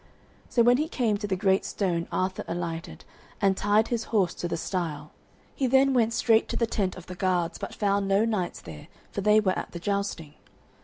So when he came to the great stone Arthur alighted, and tied his horse to the stile. He then went straight to the tent of the guards, but found no knights there, for they were at the jousting.